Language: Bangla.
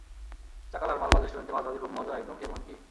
চাকালার, মালবাজ রেস্টুরেন্টে মাছ ভাজি খুব মজা একদম এ ওয়ান কি?